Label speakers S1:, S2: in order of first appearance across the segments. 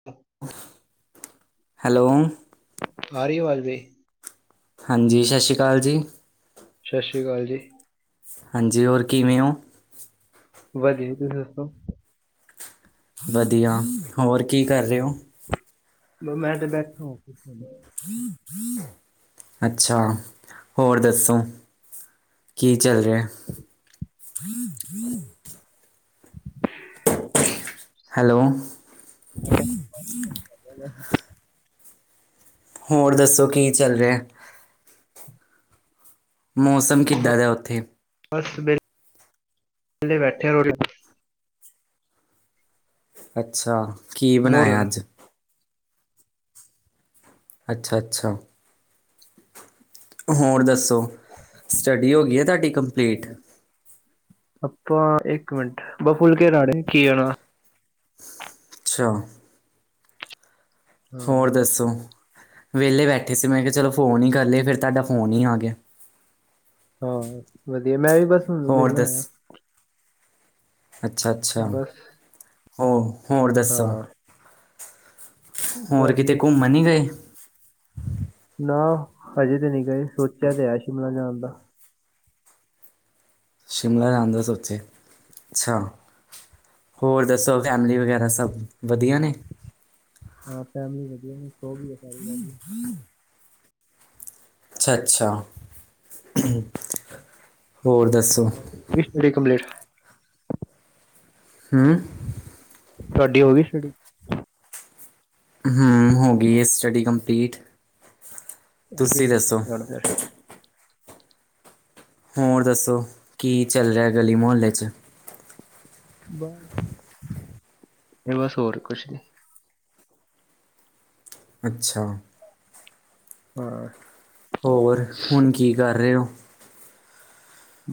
S1: [unintelligible]
S2: Hello.
S1: ਆ ਰੀ ਏ ਵਾਜ ਵੀ।
S2: ਹਾਂਜੀ ਸ਼ਸ਼ ਸ਼੍ਰੀ ਕਾਲ ਜੀ।
S1: ਸ਼ਸ਼ ਸ਼੍ਰੀ ਕਾਲ ਜੀ।
S2: ਹਾਂਜੀ ਹੋਰ ਕਿਵੇਂ ਓਂ?
S1: ਵਧੀ ਜੀ। ਤੁਸੀ ਦੱਸੋ?
S2: ਵਧੀਆ। ਹੋਰ ਕੀ ਕਰ ਰੇ ਓਂ?
S1: ਬ ਮੈਂ ਤੇ ਬੈਠਾਂ ਓਫਿਸ ਹਲੇ।
S2: [unintelligible] ਅੱਛਾ, ਹੋਰ ਦੱਸੋ, ਕੀ ਚੱਲ ਰਿਹਾ? ਹੈਲੋ।
S1: [inaudible]
S2: ਹੋਰ ਦੱਸੋ, ਕੀ ਚੱਲ ਰਿਹਾ? ਮੌਸਮ ਕਿੱਦਾਂ ਦਾ, ਉੱਥੇ?
S1: ਬਸ ਵੇ, ਵੇਹਲੇ ਬੈਠੇ ਆਂ, ਰੋਟੀ
S2: ਅੱਛਾ, ਕੀ
S1: ਮੋਰੀ
S2: ਬਣਾਇਆ
S1: ਹੁਣ ਹਾਂ
S2: ਅੱਜ? ਅੱਛਾ-ਅੱਛਾ, ਹੋਰ ਦੱਸੋ? ਸਟੱਡੀ ਹੋ ਗਈ ਐ, ਤੁਹਾਡੀ ਕੰਪਲੀਟ।
S1: ਆਪਾਂ ਇੱਕ ਮਿੰਟ, ਬ ਫੁਲਕੇ ਰਾੜੇ ਘੀਏ ਨਾਲ।
S2: ਅੱਛਾ।
S1: ਹਾਂ
S2: ਹੋਰ ਦੱਸੋ, ਵਿਹਲੇ ਬੈਠੇ ਸੀ ''ਮੈਂ ਕਿਹਾ ਚਲੋ ਫੋਨ ਈ ਕਰ ਲਏ ਫਿਰ ਤੁਹਾਡਾ ਫੋਨ ਹੀ ਆ ਗਿਆ।
S1: ਹਾਂ ਵਧੀਆ, ਮੈਂ ਵੀ ਬਸ, ਹੁਣ
S2: ਹੋਰ
S1: ਵਿਹਲਾ ਹੋਇਆ।
S2: ਅੱਛਾ-ਅੱਛਾ,
S1: ਬਸ
S2: ਹੋ, ਹੋਰ ਦੱਸੋ?
S1: ਹਾਂ
S2: ਹੋਰ
S1: ਬਸ ਜੀ
S2: ਕਿਤੇ ਘੁੰਮਣ ਨਹੀਂ ਗਏ?
S1: ਨਾ ਹਜੇ ਤੇ ਨਹੀਂ ਗਏ, ਸੋਚਿਆ ਤੇ ਹੈ, ਸ਼ਿਮਲਾ ਜਾਣ ਦਾ।
S2: ਸ਼ਿਮਲਾ ਜਾਣ ਦਾ ਸੋਚਿਆ, ਅੱਛਾ। ਹੋਰ ਦੱਸੋ, ਫੈਮਲੀ ਵਗੈਰਾ ਸਭ ਵਧੀਆ ਨੇ?
S1: ਹਾਂ ਫੈਮਿਲੀ ਵਧੀਆ, ਹੁਣ ਸੋ ਵੀ ਸਾਰੀ ਵ।
S2: ਅੱਛਾ-ਅੱਛਾ, ਹੋਰ ਦੱਸੋ?
S1: [unintelligible] ਕੰਪਲੇਟ।
S2: ਹੂੰ
S1: ਤੁਹਾਡੀ ਹੋ ਗਈ ਸ਼ੁਟੀ?
S2: ਹੂੰ, ਹੋ ਗਈ ਏ ਸਟੱਡੀ ਕੰਪਲੀਟ। ਤੁਸੀਂ ਦੱਸੋ
S1: [unintelligible] ਲੜਦੈ
S2: ਹੋਰ ਦੱਸੋ, ਕੀ ਚੱਲ ਰਿਹਾ ਗਲੀ-ਮੁਹੱਲੇ 'ਚ?
S1: ਬਾ, ਇਹ ਬਸ ਹੋਰ ਕੁਛ ਨੀ।
S2: ਅੱਛਾ।
S1: ਹਾਂ।
S2: ਹੋਰ, ਹੁਣ ਕੀ ਕਰ ਰਹੇ ਹੋ?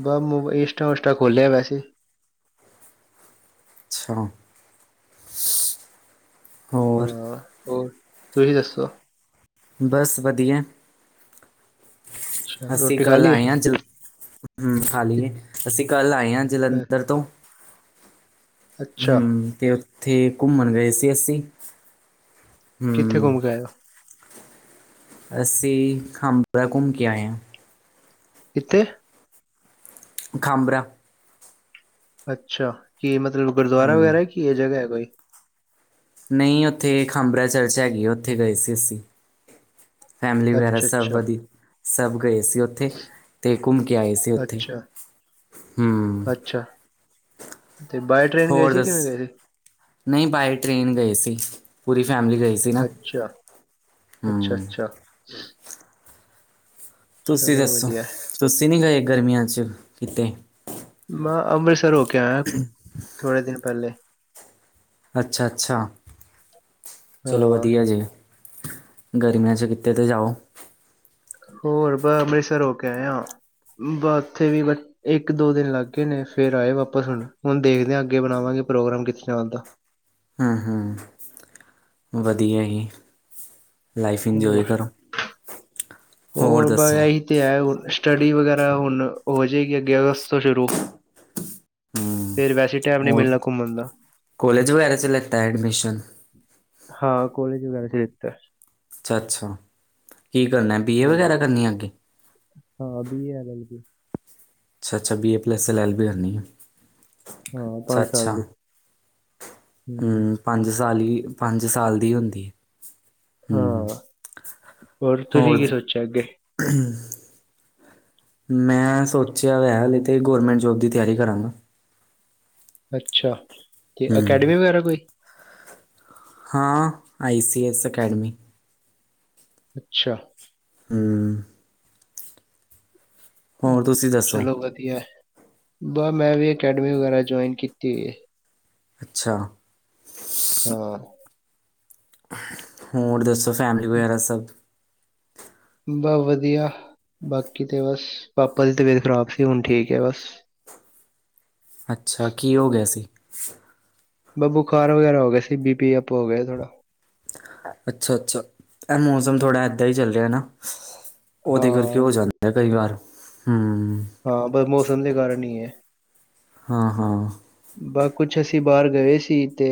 S1: ਬਸ, ਇੰਸਟਾਂ-ਉੰਸਟਾਂ ਖੋਲਿਆ ਵੈਸੇ।
S2: ਛਾ। ਹੋਰ?
S1: ਹਾਂ ਹੋਰ, ਤੂੰ ਹੀ ਦੱਸੋ?
S2: ਬਸ ਵਧੀਆ।
S1: ਅੱਛਾ
S2: ਅਸੀਂ
S1: ਰੋਟੀ ਖਾ
S2: ਕੱਲ
S1: ਲਈ
S2: ਆਏ ਹਾਂ
S1: ਹੈ
S2: ਜ, ਹੂੰ ਖਾਲੀ ਏ, ਅਸੀਂ ਕੱਲ ਆਏ ਹਾਂ
S1: ਅ-
S2: ਜਲੰਧਰ ਤੋਂ।
S1: ਅੱਛਾ
S2: ਹੂੰ, ਤੇ ਉੱਥੇ ਘੁੰਮਣ ਗਏ ਸੀ ਅਸੀਂ।
S1: ਕਿੱਥੇ
S2: ਹੂੰ
S1: ਘੁੰਮਕੇ ਆਏ ਓ?
S2: ਅਸੀਂ, ਖਾਂਬਰਾ ਘੁੰਮ ਕੇ ਆਏ ਆਂ।
S1: ਕਿੱਥੇ?
S2: ਖਾੰਬਰਾ।
S1: ਅੱਛਾ, ਕੀ ਮਤਲਬ ਗੁਰਦੁਆਰਾ
S2: ਹਮ
S1: ਵਗੈਰਾ ਕੀ ਇਹ ਜਗ੍ਹਾ ਹੈ ਕੋਈ?
S2: ਨਹੀਂ ਉੱਥੇ, ਖਾੰਭਰਾ ਚਰਚ ਹੈਗੀ ਆ, ਉੱਥੇ ਗਏ ਸੀ ਅਸੀਂ। ਫੈਮਲੀ ਵਗੈਰਾ
S1: ਅੱਛਾ
S2: ਸਭ
S1: ਅੱਛਾ
S2: ਵਧੀ, ਸਭ ਗਏ ਸੀ ਉੱਥੇ। ਤੇ ਘੁੰਮਕੇ ਆਏ ਸੀ ਉੱਥੇ,
S1: ਅੱਛਾ
S2: ਹੂੰ।
S1: ਅੱਛਾ ਤੇ ਬਾਏ ਟ੍ਰੇਨ ਗਏ
S2: ਹੋਰ
S1: ਸੀ,
S2: ਦੱਸ
S1: ਕਿਵੇਂ ਗਏ ਸੀ?
S2: ਨਹੀਂ ਬਾਏ ਟ੍ਰੇਨ ਗਏ ਸੀ, ਪੂਰੀ ਫੈਮਿਲੀ ਗਏ ਸੀ। ਨਾ
S1: ਅੱਛਾ,
S2: ਹਮ
S1: ਅੱਛਾ-ਅੱਛਾ।
S2: ਤੁਸੀਂ
S1: ਚਲੋ
S2: ਦੱਸੋ,
S1: ਵਧੀਆ
S2: ਤੁਸੀਂ ਨਹੀਂ ਗਏ ਗਰਮੀਆਂ 'ਚ ਕਿਤੇ?
S1: ''ਮੈਂ ਅੰਮ੍ਰਿਤਸਰ ਹੋਕੇ ਆਇਆਂ, ਥੋੜੇ ਦਿਨ ਪਹਿਲੇ।
S2: ਅੱਛਾ-ਅੱਛਾ, ਚਲੋ
S1: ਹਾਂ
S2: ਵਧੀਆ ਜੀ। ਗਰਮੀਆਂ 'ਚ ਕਿੱਤੇ ਤਾਂ ਜਾਓ।
S1: ਹੋਰ ਬ ਅੰਮ੍ਰਿਤਸਰ ਹੋਕੇ ਆਏ ਆਂ, ਬ ਉੱਥੇ ਵੀ ਇੱਕ-ਦੋ ਦਿਨ ਲੱਗ ਗਏ ਨੇ, ਫੇਰ ਆਏ ਵਾਪਸ ਹੁਣ, ਹੁਣ ਦੇਖਦੇ ਆਂ ਅੱਗੇ ਬਣਾਵਾਂਗੇ ਪ੍ਰੋਗਰਾਮ ਕਿੱਥੇ ਜਾਣ ਦਾ।
S2: ਹੂੰ, ਹੂੰ ਵਧੀਆ ਈ, ਲਾਈਫ
S1: ਹੋਰ
S2: ਇੰਜੋਏ ਕਰੋ। [unintelligible]
S1: ਹੋਰ ਬਸ
S2: ਦੱਸੋ
S1: ਐਹੀ ਤੇ ਹੈ, ਹੁ ਸਟੱਡੀ ਵਗੈਰਾ ਹੁਣ ਹੋ ਜਾਏਗੀ ਅੱਗੇ ਅਗਸਤ ਤੋਂ ਸ਼ੁਰੂ।
S2: ਹੂੰ
S1: ਫੇਰ ਵੈਸੇ ਟਾਈਮ ਨਹੀਂ
S2: ਹੋਰ,
S1: ਮਿਲਣਾ ਘੁੰਮਣ ਦਾ
S2: ਕੋਲੇਜ ਵਗੈਰਾ'ਚ ਲਿੱਤਾ ਐਡਮਿਸ਼ਨ?
S1: ਹਾਂ, ਕੋਲੇਜ ਵਗੈਰਾ'ਚ ਲਿਤਾ।
S2: ਅੱਛਾ-ਅੱਛਾ, ਕੀ ਕਰਨੈ ਬੀਏ
S1: ਹਾਂ
S2: ਵਗੈਰਾ ਕਰਨੀ ਐ ਅੱਗੇ?
S1: ਹਾਂ, ਬੀ ਏ, ਐਲ-ਐਲ-ਬੀ।
S2: ਅੱਛਾ ਅੱਛਾ, ਬੀਏ ਪਲੱਸ ਐਲ-ਐਲ ਵੀ ਕਰਨੀ ਐ।
S1: ਹਾਂ, ਪੰਜ ਸਾਲ ਦੀ।
S2: ਹੂੰ, ਪੰਜ ਸਾਲ ਈ, ਪੰਜ ਸਾਲ ਦੀ ਹੁੰਦੀ। ਹੂੰ,
S1: ਹਾਂ ਤੁਸੀਂ
S2: ਹੋਰ?
S1: ਕੀ ਸੋਚਿਆ ਅੱਗੇ
S2: ''ਮੈਂ ਸੋਚਿਆ ਵਇਆ ਹਲੇ ਤੇ, ਗੌਰਮੈਂਟ ਜੋਬ ਦੀ ਤਿਆਰੀ ਕਰਾਂਗਾ।
S1: ਅੱਛਾ, ਕੇ ਅਕੈਡਮੀ
S2: ਹੂੰ
S1: ਵਗੈਰਾ ਕੋਈ?
S2: ਹਾਂ, ਆਈ ਸੀ ਐੱਸ ਅਕੈਡਮੀ।
S1: ਅੱਛਾ।
S2: ਹੂੰ। ਹੋਰ ਤੁਸੀਂ ਦੱਸੋ
S1: ਚਲੋਂ ਵਧੀਆ, ਬਾਹ 'ਮੈਂ ਵੀ ਅਕੈਡਮੀ ਵਗੈਰਾ ਜੁਆਇਨ ਕੀਤੀ ਹੋਈ ਐ।
S2: ਅੱਛਾ।
S1: ਹਾਂ।
S2: ਹੋਰ ਦੱਸੋਂ, ਫੈਮਲੀ ਵਗੈਰਾ ਸਭ?
S1: ਬਸ ਵਧੀਆ, ਬਾਕੀ ਤੇ ਬਸ ਪਾਪਾ ਦੀ ਤਬੀਅਤ ਖ਼ਰਾਬ ਸੀ, ਹੁਣ ਠੀਕ ਏ, ਬਸ।
S2: ਅੱਛਾ, ਕੀ ਹੋਗਿਆ ਸੀ?
S1: ਬਾ ਬੁਖਾਰ ਵਗੈਰਾ ਹੋਗਿਆ ਸੀ, ਬੀਪੀ ਅੱਪ ਹੋਗਿਆ ਥੋੜਾ।
S2: ਅੱਛਾ-ਅੱਛਾ, ਐ ਮੌਸਮ ਥੋੜ੍ਹਾ ਏਦਾਂ ਹੀ ਚੱਲ ਰਿਹਾ ਨਾ। ਉਹਦੇ ਕਰਕੇ
S1: ਹਾਂ।
S2: ਹੋ ਜਾਂਦੈ ਆ ਕਈ ਵਾਰ, ਹੂੰ।
S1: ਹਾ, ਬਸ ਮੌਸਮ ਦੇ ਕਾਰਨ ਹੀ ਐ।
S2: ਹਾਂ-ਹਾਂ।
S1: ਬਸ, ਕੁਛ ਅਸੀਂ ਬਾਹਰ ਗਏ ਸੀ ਤੇ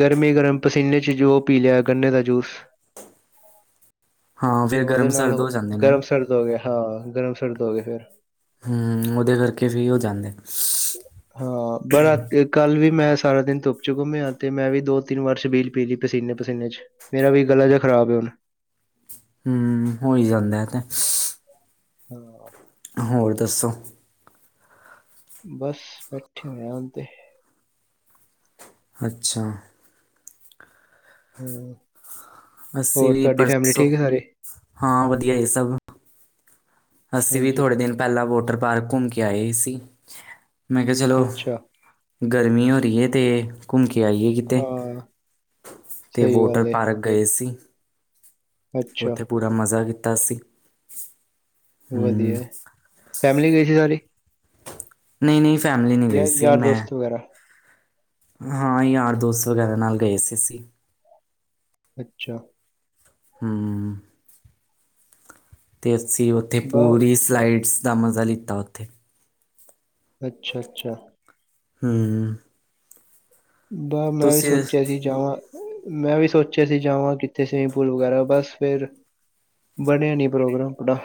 S1: ਗਰਮੀ-ਗਰਮ ਪਸੀਨੇ'ਚ ਜੋ ਪੀ ਲਿਆ ਗੰਨੇ ਦਾ ਜੂਸ।
S2: ਹਾਂ
S1: ਤੇ
S2: ਫਿਰ
S1: ਉਹਦੇ
S2: ਗਰਮ
S1: ਨਾਲ
S2: ਸਰਦ ਹੋ ਜਾਂਦੇ ਨੇ ਨਾ
S1: ਗਰਮ ਸਰਦ ਹੋਗਿਆ, ਹਾਂ, ਗਰਮ-ਸਰਦ ਹੋਗਿਆ ਫੇਰ।
S2: ਹੂੰ, ਉਹਦੇ ਕਰਕੇ ਵੀ ਹੋ ਜਾਂਦੇ।
S1: ਹਾ। ਬ ਰਾ ਤੀ, ਕੱਲ ਵੀ ਮੈਂ ਸਾਰਾ ਦਿਨ ਧੁੱਪ'ਚੁ ਘੁੰਮਿਆ, ਤੇ 'ਮੈਂ ਵੀ ਦੋ-ਤਿੰਨ ਵਾਰ ਛਬੀਲ ਪੀ ਲਈ ਪਸੀਨੇ-ਪਸੀਨੇ'ਚ। ਮੇਰਾ ਵੀ ਗਲਾ ਜਿਹਾ ਖਰਾਬ ਏ, ਹੁਣ।
S2: ਹਂ, ਹੋਈ ਜਾਂਦਾ ਤੇ
S1: ਹਂ
S2: ਹੋਰ ਦੱਸੋ?
S1: ਬਸ ਬੈਠੇ ਹੋਏ ਆ ਹੁਣ ਤੇ।
S2: ਅੱਛਾ।
S1: ਹਂ
S2: ਅੱਸੀ ਵੀ ਪਰਸੋਂ,
S1: ਹੈ ਸਾਰੇ?
S2: ਹਾਂ ਵਧੀਆ ਐ ਸਭ। ਅਸੀਂ ਵੀ
S1: ਹਾਂਜੀ,
S2: ਥੋੜੇ ਦਿਨ ਪਹਿਲਾਂ ਵੋਟਰ ਪਾਰਕ ਘੁੰਮ ਕੇ ਆਏ ਸੀ। ਮੈਂ ਕਿਆ ਚਲੋਂ,
S1: ਅੱਛਾ,
S2: ਗਰਮੀ ਹੋ ਰੀ ਐ ਤੇ ਘੁੰਮ ਕੇ ਆਈਏ ਕਿਤੇ
S1: ਹਾਂ
S2: ਤੇ
S1: ਸਹੀ
S2: ਵੋਟਰ
S1: ਗੱਲ ਏ,
S2: ਪਾਰਕ ਗਏ ਸੀ।
S1: ਅੱਛਾ
S2: ਉੱਥੇ ਪੂਰਾ ਮਜ਼ਾ ਕੀਤਾ ਸੀ। ਹੂੰ
S1: ਵਧੀਆ, ਫੈਮਿਲੀ ਗਈ ਸੀ ਸਾਰੀ?
S2: ਨਈਂ ਨਈਂ, ਫੈ਼ਮਲੀ ਨ੍ਹੀਂ
S1: ਯਾ
S2: ਗਈ ਸੀ
S1: ਯਾਰ
S2: ਮੈਂ
S1: ਦੋਸਤ ਵਗੈਰਾ?
S2: ਹਾਂ ਯਾਰ ਦੋਸਤ ਵਗੈ਼ਰਾ ਨਾਲ ਗਏ ਸੀ ਅਸੀਂ।
S1: ਅੱਛਾ।
S2: ਹਂ, ਤੇ ਅਸੀ ਉ ਤੇ
S1: ਬ
S2: ਪੂਰੀ ਸਲਾਈਡਸ ਦਾ ਮਜ਼ਾ ਲਿੱਤਾ ਉੱਥੇ।
S1: ਅੱਛਾ ਅੱਛਾ।
S2: ਹਂ।
S1: ਬਅ ਮੈਂ ਵੀ ਸੋਚਿਆ ਸੀ। ਜਾਵਾਂ, ਮੈਂ ਵੀ ਸੋਚਿਆ ਸੀ ਜਾਵਾਂ ਕਿੱਥੇ ਸਵੀਮਿੰਗ ਪੂਲ ਵਗੈ਼ਰਾ ਬਸ ਫੇ਼ਰ ਬਣਿਆ ਨੀਂ ਪ੍ਰੋਗਰਾਮ ਪੜਾ।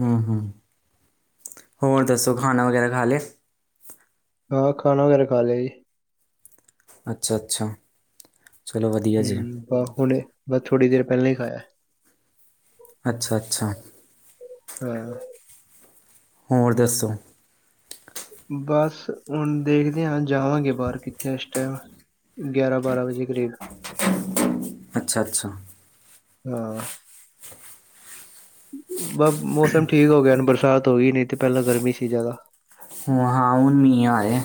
S2: ਹਂ, ਹਂ ਹੋਰ ਦੱਸੋ ਖਾਣਾ ਵਗੈਰਾ ਖਾ ਲਿਆ?
S1: ਹਾਂ ਖਾਣਾ ਵਗੈਰਾ ਖਾ ਲਿਆ ਜੀ।
S2: ਅੱਛਾ, ਅੱਛਾ। ਚਲੋ ਵਧੀਆ
S1: ਹਂ
S2: ਜੀ
S1: ਬ ਹੁਣੇ ਬਸ ਥੋੜ੍ਹੀ ਦੇਰ ਪਹਿਲਾਂ ਈ ਖਾਇਆ।
S2: ਅੱਛਾ, ਅੱਛਾ।
S1: ਹਾਂ।
S2: ਹੋਰ ਦੱਸੋ?
S1: ਬਸ ਹੁਣ ਦੇਖਦੇ ਆਂ ਜਾਵਾਂਗੇ ਬਾਹਰ ਕਿੱਥੇ ਏਸ ਟੈਮ। ਗਿਆਰਾਂ ਬਾਰਾਂ ਵਜੇ਼ ਕਰੀਬ।
S2: ਅੱਛਾ-ਅੱਛਾ।
S1: ਹਾਂ। ਬ ਮੌਸਮ ਠੀਕ ਹੋ ਗਿਆ ਬਰਸਾਤ ਹੋ ਗਈ ਨਈ ਤੇ ਪਹਿਲਾਂ ਗਰਮੀ ਸੀ ਜਿਆਦਾ।
S2: ਵਹਾਂ ਹੁਣ ਮੀਂਅ ਆ ਰਿਐ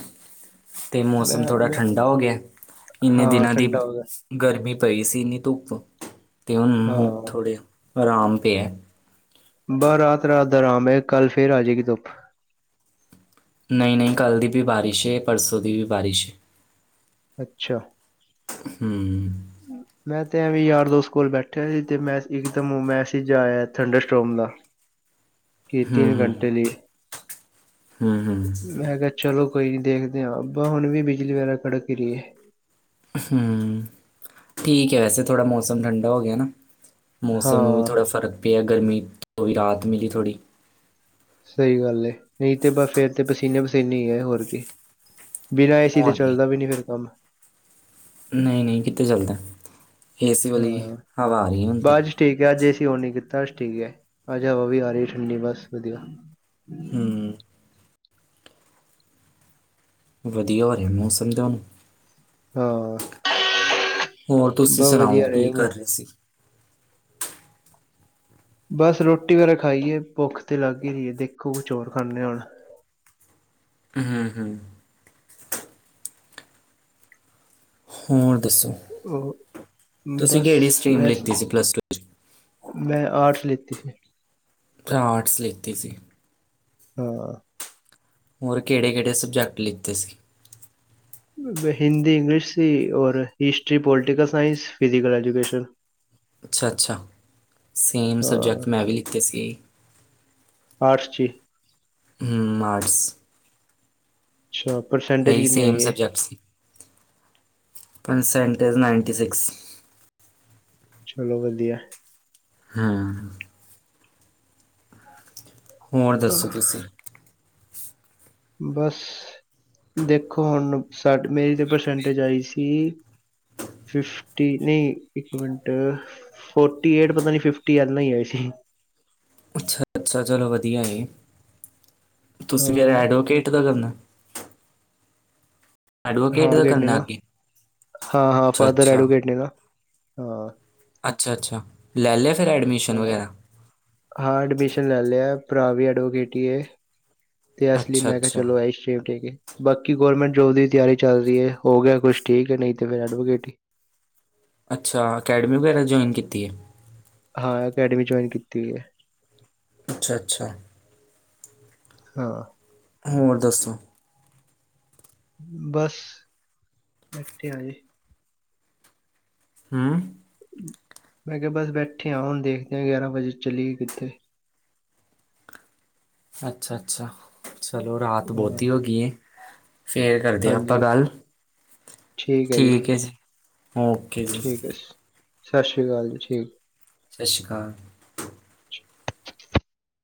S2: ਤੇ ਮੌਸਮ
S1: ਮੈਂ
S2: ਥੋੜਾ
S1: ਮੈਂ
S2: ਠੰਡਾ ਹੋ ਗਿਆ। ਇੰਨੇ
S1: ਹਾਂ
S2: ਦਿਨਾਂ ਦੀ
S1: ਠੰਡਾ ਹੋ ਗਿਆ
S2: ਗਰਮੀ ਪਈ ਸੀ, ਇੰਨੀ ਧੁੱਪ। ਤੇ ਉਹਨੂੰ
S1: ਹਾਂ।
S2: ਥੋੜੇ ਆਰਾਮ ਪਿਆ।
S1: ਬਾਹ ਰਾਤ-ਰਾਤ ਦਾ ਰਾਮ ਐ ਕੱਲ ਫੇ਼ਰ ਆ ਜੇਗੀ ਧੁੱਪ।
S2: ਨਈਂ ਨਈਂ, ਕੱਲ੍ਹ ਦੀ ਤੇ ਬਾਰਿਸ਼ ਏ ਪਰਸੋਂ ਦੀ ਵੀ ਬਾਰਿਸ਼ ਐ।
S1: ਅੱਛਾ।
S2: ਹਂ।
S1: ਮੈਂ ਤੇ ਐਵੀਂ ਯਾਰ ਦੋਸਤ ਕੋਲ ਬੈਠਿਆ ਸੀ ਤੇ ਮੈਂ ਇੱਕਦਮ ਮੈਸਿਜ ਆਇਆ ਥੰਡਸਟੋਮ ਦਾ। [inaudible] ਕਿ
S2: ਹਂ
S1: ਤਿੰਨ
S2: ਹ,
S1: ਘੰਟੇ ਲਈ
S2: ਹਂ ਹਂ।
S1: ਮੈਂ ਕਿਹਾ ਚਲੋ ਕੋਈ ਨੀ ਦੇਖਦੇ ਆਂ ਬਹ ਹੁਣ ਵੀ ਬਿਜਲੀ ਵਗੈ਼ਰਾ ਕੜਕ ਰਹੀ ਐ।
S2: ਹੂੰ, ਠੀਕ ਐ ਵੈਸੇ ਥੋੜਾ ਮੌਸਮ ਠੰਡਾ ਹੋ ਗੇਆ ਨਾ। ਮੌਸਮ ਨੂੰ ਵੀ
S1: ਹਾਂ
S2: ਥੋੜ੍ਹਾ ਫਰਕ ਪਿਆ ਗਰਮੀ, ਤੋਂ ਵੀ ਰਾਤ ਮਿਲੀ ਥੋੜ੍ਹੀ।
S1: ਸਈ ਗਾੱਲ ਏ, ਨਈ ਤੇ ਬਾਸ ਫੇਰ ਤੇ ਪਸੀਨੇ-ਪਸੀਨੇ ਈ ਐ ਹੋਰ ਕੀ। ਬੀਨਾ ਏ ਸੀ ਤੇ ਚੱਲਦਾ ਵੀ ਨੀ ਫੇ਼ਰ ਕਾੰਮ।
S2: ਨਈਂ-ਨਈਂ ਕਿੱਥੇ ਚੱਲਦੈ। ਹੁਣ
S1: ਹਾਂ
S2: ਤੇ
S1: [unintelligible] ਠੀਕ ਐ ਆੱਜ ਏਸੀ ਓਨ ਨੀ ਕੀਤਾ ਸ਼ ਠੀਕ ਐ, ਆੱਜ ਹਵਾ ਵੀ ਆ ਰੀ ਠੰਡੀ ਬਾੱਸ ਵਦੀਆ।
S2: ਹੂੰ। ਵਦੀਆ ਹੋ ਰੇਯਾ ਮੌਸਮ ਤੇ ਹੋਨ।
S1: ਹਾਂ।
S2: ਹੋਰ ਤੁਸੀਂ
S1: ਬਸ
S2: ਸਣਾਓ
S1: ਵਧੀਆ
S2: ਕੀ
S1: ਰਹੇ ਬ-
S2: ਕਰ ਰੇ ਸੀ?
S1: ਬਾੱਸ ਰੋਟੀ ਵੈਰਾ ਖਾਈ ਏ, ਭੋੱਖ ਤੇ ਲਾੱਗ ਈ ਰੀ ਏ ਦੇਖੋ ਕੁਛ ਹੋਰ ਖਾਂਨੇ ਆ ਹੋਣ।
S2: ਹੂੰ-ਹੂੰ। ਹੋਰ ਦੱਸੋ?
S1: ਓ,
S2: ਤੁਸੀਂ
S1: ਬੱਸ
S2: ਕਿਹੜੀ ਸਟਰੀਮ
S1: ਵੈਸੇ
S2: ਲਿੱਤੀ ਸੀ ਪਲੱਸ
S1: ਮੈਂ ਆਟਸ ਲਿੱਤੀ ਸੀ।
S2: ਪਰ ਆਰਟਸ ਲਿੱਤੀ ਸੀ।
S1: ਹਾਂ।
S2: ਹੋਰ ਕੇੜੇ-ਕੇੜੇ ਸਬਜੈਕਟ ਲਿੱਤੇ ਸੀ?
S1: ਵ ਹਿੰਦੀ ਇੰਗਲਿਸ਼ ਸੀ, ਓਰ history, political science, physical education.
S2: ਅੱਛਾ-ਅੱਛਾ, ਸੇਮ ਸਬਜੈਕਟ ਮੈਂ ਵੀ ਲਿੱਤੇ ਸੀ।
S1: ਆਟਸ 'ਚੀ?
S2: ਹੂੰ, ਆਟਸ।
S1: ਅੱਛਾ, ਪਰ
S2: ਐਈ same subjects, percentage ninety six.
S1: ਚਲੋ ਵਦੀਆ ਐ।
S2: ਹੂੰ। ਹੋਰ ਦੱਸੋ ਤੁਸੀ?
S1: ਬਂਸ ਦੇਖੋ ਹੋਨ ਸਾਡ, ਮੇਰੀ ਤੇ ਪਰਸੈਂਟੇਜ਼ ਆਈ ਸੀ ਫਿਫਟੀ ਨਈ ਇੱਕ ਮਿੰਟ। ਫੋਟੀ-ਏਟ ਪਤਾ ਨੀ ਫਿਫਟੀ ਐਨਾ ਈ ਹੋਏ ਸੀ।
S2: ਅੱਛਾ ਅੱਛਾ ਚਲੋ ਵਦੀਆ ਏ, ਤੁਸੀਂ ਫੇਰ
S1: ਅਹ
S2: ਐੜਵੋਕੇਟ ਦਾ ਕਰਨੈ? ਐਡਵੋਕੇਟ
S1: ਹਾਂ
S2: ਦਾ ਕਰਨਾ ਅੱਗੇ
S1: [unintelligible] ਹਾਂ-ਹਾਂ
S2: ਅੱਛਾ
S1: ਫਾਦਰ
S2: ਅੱਛਾ
S1: ਐਡਵੋਕੇਟ ਨੇ ਨਾ, ਹਾਂ।
S2: ਅੱਛਾ-ਅੱਛਾ, ਲੈ ਲੇਆ ਫੇਰ ਐਡਮਿਸ਼ਨ
S1: ਹਾਂ
S2: ਵਗੈਰਾ?
S1: ਹਾਂ ਐਡਮਿਸ਼ਨ ਲੈ ਲੇਐ, ਭਰਾ ਵੀ ਐਡਵੋਕੇਟ ਈ ਏ। ਤੇ ਐਸ ਲੀ
S2: ਅੱਛਾ
S1: ਮੈਂ ਕੇਆ
S2: ਅੱਛਾ
S1: ਚਲੋ ਐਈ [unintelligible] ਠੀਕ ਏ। ਬਾਕੀ ਗੌਰਰਮੇਂਟ ਜੋਬ ਦੀ ਤਿਆਰੀ ਚੱਲ ਰੀ ਏ, ਹੋ ਗੇਆ ਕੁੱਛ ਠੀਕ ਏ ਨੀ ਤੇ ਫੇਰ ਐਡਵੋਕੇਟ ਈ।
S2: ਅੱਛਾ, ਅਕੈੜਮੀ ਵਗੈਰਾ ਜੋਈਨ ਕੀਤੀ ਏ?
S1: ਹਾਂ, ਐਕੈੜਮੀ ਜੋਇਨ ਕੀਤੀ ਹੋਈ ਏ।
S2: ਅੱਛਾ-ਅੱਛਾ‌।
S1: ਹਾਂ।
S2: ਹੋਰ ਦੱਸੋ?
S1: ਬਸ, ਬੈਠੇ ਆ ਜੀ।
S2: ਹੂੰ।
S1: ਮੈਂ ਕੇਆ ਬਸ ਬੈਠੇ ਆਂ, ਹੋਨ ਦੇਖਦੇ ਆਂ ਗੇਆਰਾਂ ਵਜੇ ਚੱਲੀਈ ਕਿੱਥੇ।
S2: ਅੱਛਾ, ਅੱਛਾ ਚਲੋ ਰਾਤ ਬੋਤੀ
S1: ਹਾਂ,
S2: ਹੋ ਗਈ ਏ। ਫੇਰ ਕਰਦੇ ਆ ਆਪਾਂ
S1: ਹਾਂਜੀ
S2: ਗੱਲ ਠੀਕ ਏ ਜੀ ਓਕੇ ਜੀ।
S1: ਸਾਸਰੀ ਕਾਲ ਜੀ ਠੀਕ।
S2: ਸਾਸੀ ਕਾਲ।
S1: [inaudible]